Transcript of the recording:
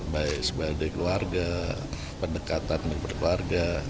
baik sebagai keluarga pendekatan kepada keluarga